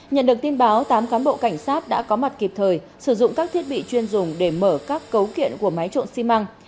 nhận được tin báo tám cán bộ cảnh sát đã có mặt kịp thời sử dụng các thiết bị chuyên dùng để mở các cấu kiện của máy trộn xi măng